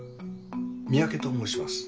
三宅と申します。